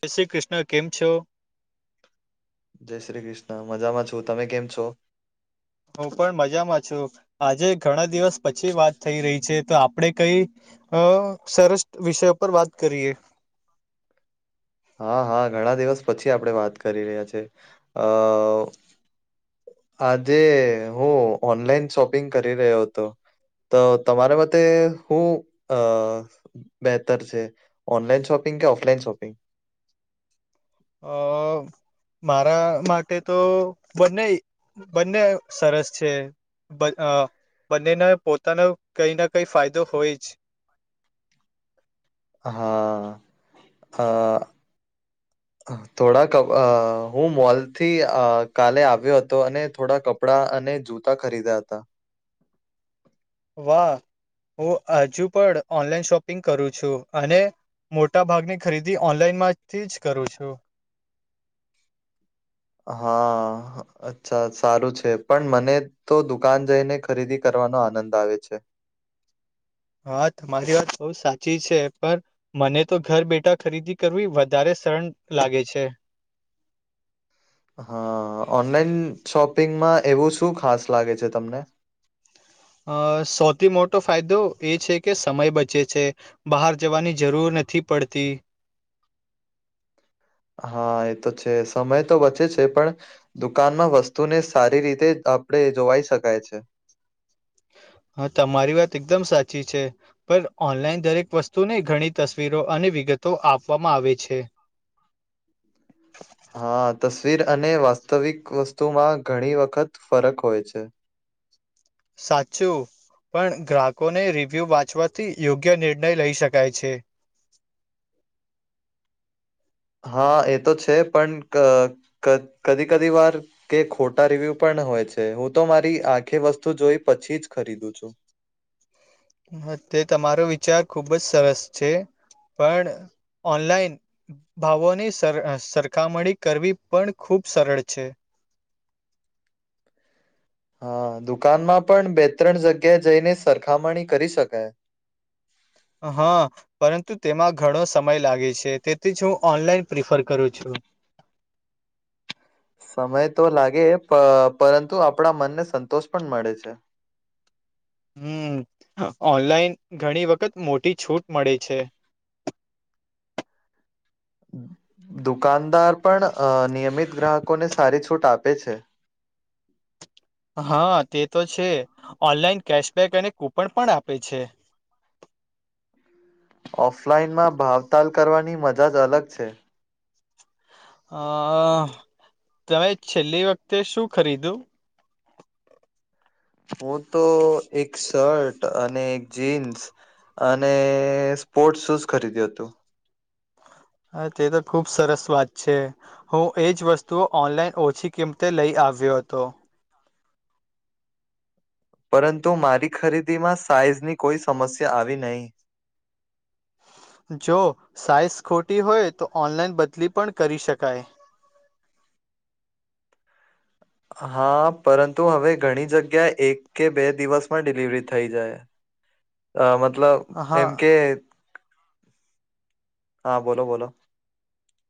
જય શ્રી કૃષ્ણ કેમ છો જય શ્રી કૃષ્ણ મજામાં છું તમે કેમ છો હું પણ મજામાં છું આજે ઘણા દિવસ પછી વાત થઈ રહી છે તો આપડે કઈ અ સરસ વિષયો પર વાત કરીએ હા હા ઘણા દિવસ પછી આપણે વાત કરી રહ્યા છે અ આજે હું ઓનલાઈન શોપિંગ કરી રહ્યો હતો તો તમારા માટેતો હું અ બેહેતર છે ઓનલાઈન શોપિંગ કે ઓફલાઈન શોપિંગ અ મારા માટે તો બંને બંને સરસ છે. બંનેને પોતાનો કઈ ના કઈ ફાયદો હોય જ હા, હા. થોડાક અવ અહ હું મોલ થી અહ કાલે આવ્યો હતો અને થોડા કપ પડા અને જૂતા ખરીદ્યા તા. વાહ! હું હજુ પણ ઓનલાઈન શોપિંગ કરું છું. અને મોટા ભાગની ખરીદી ઓનલાઈન માંથી જ કરું છું. હા. અચ્છા સારું છે. પન મને તો દુકાન જઈને ખરીદી કરવાનો આનંદ આવે છે. હા તમારી વાત બહું સાચી છે પણ મને તો ઘર બેઠા ખરીદી કરવી વધારે સરન લાગે છે. હા. ઓનલાઈન શોપિંગમાં એવું શું ખાસ લાગે છે તમને? અહ સૌથી મોટો ફાયદો એ છે કે સમય બચે છે. બહાર જવાની જરૂર નથી પડતી. હા એ તો છે. સમય તો બચે છે પણ દુકાનમાં વસ્તુને સારી રીતે આપડે જોવાઈ શકાય છે. હા તમારી વાત એકદમ સાચી છે. પર ઓનલાઈન દરેક વસ્તુને ઘણી તસવીરો અને વિગતો આપવામાં આવે છે. હા. તસવીર અને વાસ્તવિક વસ્તુમાં ઘણી વખત ફરક હોય છે. સાચું. પણ ગ્રાહકોને રિવ્યુ વાંચવાથી યોગ્ય નિર્ણય લઈ શકાય છે. હા એ તો છે. પણ ક-ક કદી-કદી વાર કે ખોટા રિવ્યુ પણ હોય છે. હું તો મારી આંખે વસ્તુ જોઈ પછી જ ખરીદું છું. તે તમારો વિચાર ખુબ જ સરસ છે. પણ ઓનલાઈન ભાવોની સર સરખામણી કરવી પણ ખુબ સરળ છે. હા. દુકાનમાં પણ બે ત્રણ જગ્યા જઈને સરખામણી કરી શકાય. હા. પરંતુ તેમાં ઘણો સમય લાગે છે. તેથી જ હું ઓનલાઈન પ્રિફર કરું છું. સમય તો લાગે પર પરંતુ આપણા મનને સંતોષ પણ મળે છે. હમ્મ. ઓનલાઈન ઘણી વખત મોટી છૂટ મળે છે. દુકાનદાર પણ અહ નિયમિત ગ્રાહકોને સારી છૂટ આપે છે. હા તે તો છે. ઓનલાઈન કેશબેક અને કૂપન પણ આપે છે. ઓફલાઈનમાં ભાવતાલ કરવાની મજા જ અલગ છે. અહ તમે છેલ્લી વખતે શું ખરીદ્યું? હું તો એક શર્ટ અને એક જીન્સ અને સ્પોર્ટ શૂઝ ખરીદ્યું હતું. હા તે તો ખુબ સરસ વાત છે. હું એ જ વસ્તુઓ ઓનલાઈન ઓછી કિંમતે લઈ આવ્યો હતો. પરંતુ મારી ખરીદી માં સાઈઝ ની કોઈ સમસ્યા આવી નહીં. જો સાઈઝ ખોટી હોય તો ઓનલાઈન બદલી પણ કરી શકાય. હા પરંતુ હવે ઘણી જગ્યા એક કે બે દિવસમાં ડિલિવરી થઈ જાય. અહ મતલબ હા એમ કે, હા બોલો-બોલો.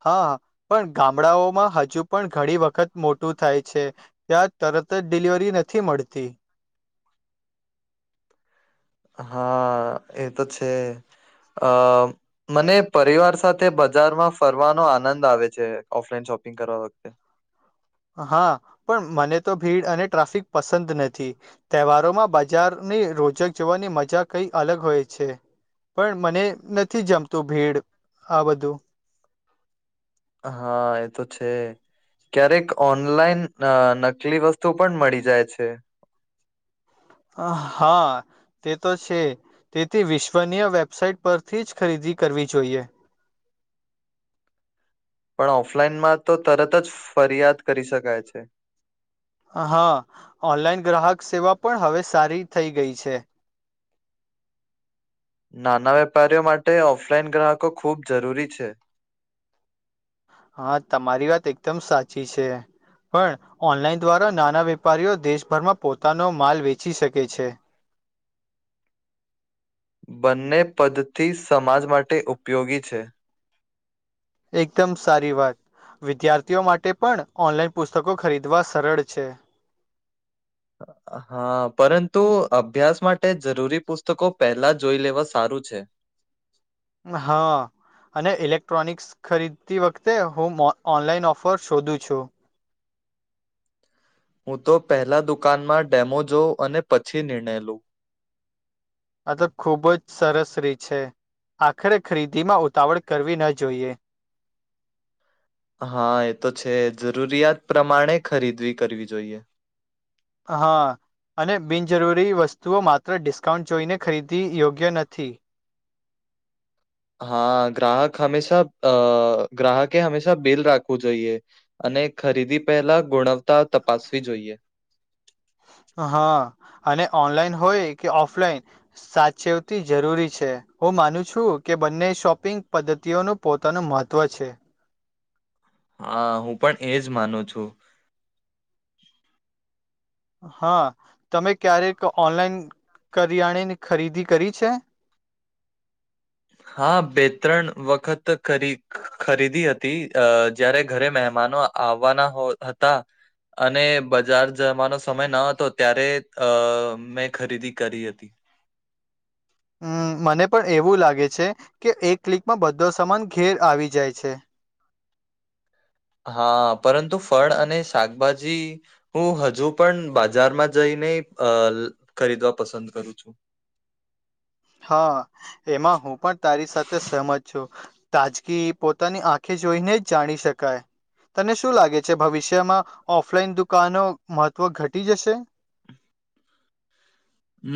હા. પણ ગામડાઓમાં હજુ પણ ઘણી વખત મોટું થાય છે. ત્યાં તરત જ ડિલિવરી નથી મળતી. હા એ તો છે. અહ મને પરિવાર સાથે બજારમાં ફરવાનો આનંદ આવે છે, ઓફલાઈન શોપિંગ કરવા વખતે. હા. પણ મને તો ભીડ અને ટ્રાફિક પસંદ નથી. તહેવારોમાં બજારની રોજક જોવાની મજા કંઈ અલગ હોય છે. પણ મને નથી જમતું ભીડ, આ બધું. હા, એ તો છે. ક્યારેક ઓનલાઈન અ નકલી વસ્તુ પણ મળી જાય છે. અ, હા. તે તો છે. તેથી વિશ્વનીય વેબસાઈટ પરથી જ ખરીદી કરવી જોઈએ. પણ ઓફલાઈનમાં તો તરત જ ફરિયાદ કરી શકાય છે. હા, ઓનલાઈન ગ્રાહક સેવા પણ હવે સારી, થઈ ગઈ છે. નાના વેપારીઓ માટે ઓફલાઈન ગ્રાહકો ખૂબ જરૂરી છે. હા, તમારી વાત એકદમ સાચી છે. પણ, ઓનલાઈન દ્વારા નાના વેપારીઓ દેશભરમાં પોતાનો માલ વેચી શકે છે. બંને પદ્ધતી સમાજ માટે ઉપયોગી છે. એકદમ સારી વાત. વિદ્યાર્થીઓ માટે પણ, ઓનલાઈન પુસ્તકો ખરીદવા સરળ છે. [unintelligible] હા, પરંતુ અભ્યાસ માટે જરૂરી પુસ્તકો પહેલા જોઈ લેવા સારું છે. હા. અને ઇલેક્ટ્રોનિક્સ ખરીદતી વખતે, હું મો ઓનલાઈન ઓફર શોધું છું. હું તો પહેલા દુકાનમાં ડેમો જોઉં, અને પછી નિર્ણય લઉ. આ તો ખુબ જ સરસ રીત છે, આખરે ખરીદીમાં ઉતાવળ કરવી ન જોઈએ. હા એ તો છે. જરૂરિયાત પ્રમાણે ખરીદવી કરવી જોઈએ હા. અને બિનજરૂરી વસ્તુઓ, માત્ર ડિસ્કાઉન્ટ જોઈને ખરીદવી, યોગ્ય નથી. હા ગ્રાહક હંમેશા, અ ગ્રાહકે હંમેશા બિલ રાખવું જોઈએ. અને ખરીદી પહેલા ગુણવતા તપાસવી જોઈએ. હા, અને ઓનલાઈન હોય કે ઓફલાઈન સાચેવતી જરૂરી છે. હું માનું છું કે બંને શોપિંગ પદ્ધતિઓનો પોતાનું મહત્ત્વ છે. હા, હું પણ એજ માનું છું. હા તમે ક્યારેક ઓનલાઈન કરિયાણેની ખરીદી કરી છે? હા, બે ત્રણ વખત કરી ખરીદી હતી, અ જયારે ઘરે મહેમાનો આ આવવાના હતા અને બજાર જવાનો સમય ન હતો, ત્યારે અ મેં ખરીદી કરી હતી. હમ્મ મને પણ એવું લાગે છે, કે એક ક્લિકમાં બધો સમાન ઘેર આવી જાય છે. હા, પરંતુ ફળ અને શાકભાજી હું હજુ પણ બાજારમાં જઈને, અ ખરીદવા પસંદ કરું છું. હા, એમાં હું પણ તારી સાથે સેહમત છું. તાજગી પોતાની આંખે જોઈને જ જાણી શકાય. તને શું લાગે છે? ભવિષ્યમાં ઓફલાઈન દુકાનો મહત્વ ઘટી જશે?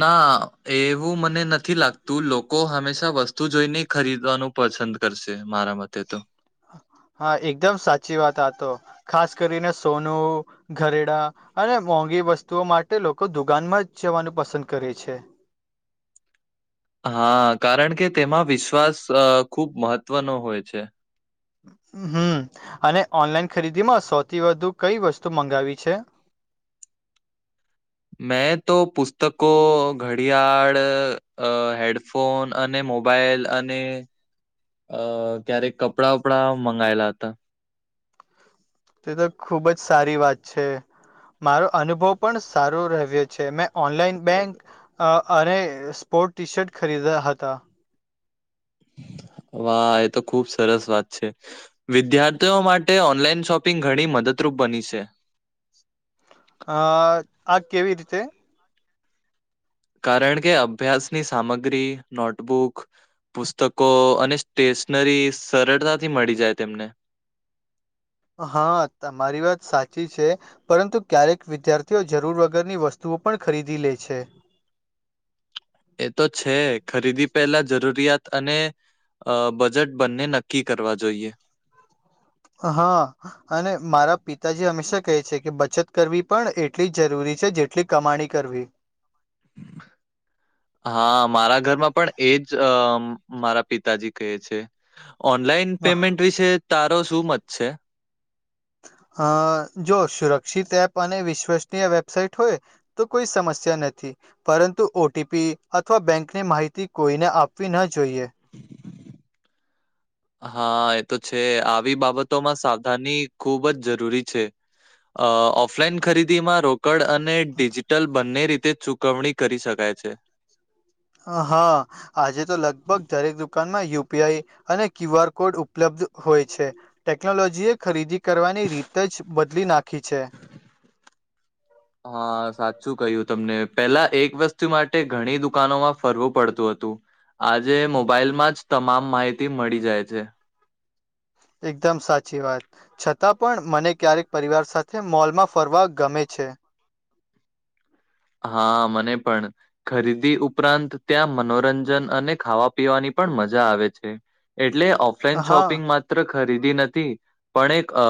ના, એવું મને નથી લાગતું. લોકો હંમેશા વસ્તુ જોઈને ખરીદવાનો પસંદ કરશે, મારા મતે તો. હા, એકદમ સાચી વાત આ તો. ખાસ કરીને સોનું ઘરેડા, અને મોંઘી વસ્તુઓ માટે લોકો દુકાનમાં જ જવાનું પસંદ કરે છે. હા, કારણ કે તેમાં વિશ્વાસ ખૂબ મહત્વનો હોય છે. હમ્મ, અને ઓનલાઈન ખરીદીમાં સૌથી વધુ કઈ વસ્તુ મંગાવી છે. મેં તો પુસ્તકો, ઘડિયાળ અ હેડ ફોન અને મોબાઈલ અને અ ક્યારેક કપડા બપડા મંગાયલા હતા. તે તો ખુબ જ સારી વાત છે. મારો અનુભવ પણ સારો રહવે છે. મેં ઓનલાઈન બેંક અને સ્પોર્ટ ટી શર્ટ ખરીદ્યા હતા. વાહ એ તો ખુબ સરસ વાત છે. વિદ્યાર્થીઓ માટે ઓનલાઈન શોપિંગ ઘણી મદદરૂપ બની છે. અ આ કેવી રીતે? કારણ કે અભ્યાસની સામગ્રી, નોટબુક પુસ્તકો અને સ્ટેશનરી સરળતાથી મળી જાય તેમને. હા, તમારી વાત સાચી છે. પરંતુ ક્યારેક વિદ્યાર્થીઓ જરૂર વગરની વસ્તુઓ પણ ખરીદી લે છે. એ તો છે, ખરીદી પહેલા જરૂરિયાત અને અ બજેટ બંને નક્કી કરવા જોઈએ. હા. અને મારા પિતાજી હંમેશા કહે છે કે બચત કરવી પણ એટલી જરૂરી છે જેટલી કમાણી કરવી. [inaudible] હા, મારા ઘરમાં પણ એ જ મારા પિતાજી કહે છે. ઓનલાઈન પેમેન્ટ વિશે તારો શું મત છે? અ જો સુરક્ષિત એપ અને વિશ્વસનીય વેબસાાઈટ હોય તો કોઈ સમસ્યા નથી. પરંતુ ઓ ટી પી અથવા બેંકની માહિતી કોઈને આપવી ન જોઈએ. હા એ તો છે. આવી બાબતોમાં સાવધાની ખુબ જ જરૂરી છે. અ ઓફલાઈન ખરીદી માં રો રોકડ અને ડિજિટલ બંને રીતે ચુકવણી કરી શકાય છે. અ હા. આજે તો લગભગ દરેક દુકાનમાં યુ પી આઈ અને ક્યુ આર કોડ ઉપલબ્ધ હોય છે. ટેકનોલોજી એ ખરીદી કરવાની રીત જ બદલી નાખી છે. [inaudible] હા સાચું કહ્યું તમને પેલા એક વસ્તુ માટે ઘણી દુકાનોમાં ફરવું પડતું હતું. આજે મોબાઈલમાં જ તમામ માહિતી મળી જાય છે. એકદમ સાચી વાત. છતાં પણ મને ક્યારેક પરિવાર સાથે મોલમાં ફરવા ગમે છે. હા મને પણ ખરીદી ઉપરાંત ત્યાં મનોરંજન અને ખાવા પીવાની પણ મજા આવે છે. એટલે ઓફ ઓફલાઈન હા શોપિંગ માત્ર ખરીદી નથી પણ એક અ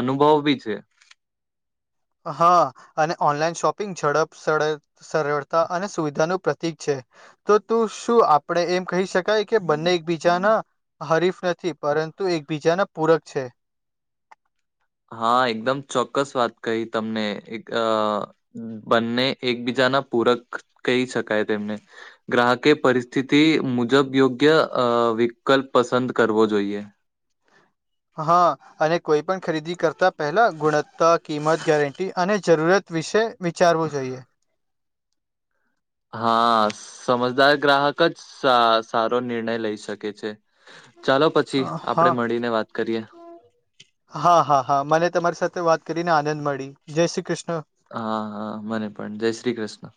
અનુભવ બી છે. હા અને ઓનલાઈન શોપિંગ ઝડપ સડે સરળતા અને સુવિધાનું પ્રતિક છે. તો તું શું આપણેે એમ કહી શકાય કે બંને એક બીજાના હરીફ નથી પરંતુ એકબીજાના પૂરક છે. હા એકદમ ચોક્કસ વાત કહી તમને એક અ બંને એકબીજા ના પૂરક કહી શકાય તેમને ગ્રાહકે પરિસ્થિતિ મુજબ યોગ્ય અ વિકલ્પ પસંદ કરવો જોઈએ. હા. અને કોઈ પણ ખરીદી કરતાં પહેલા ગુણવત્તા, કિંમત, ગેરંટી અને જરૂરત વિશે વિચારવું જોઈએ. હા સમજદાર ગ્રાહક જ સા સારો નિર્ણય લઈ શકે છે. ચાલો પછી હા આપડે હા મળીને વાત કરીએ. હા હા હા મને તમારી સાથે વાત કરીને આનંદ મળી જય શ્રી કૃષ્ણ. હા મને પણ જય શ્રી કૃષ્ણ.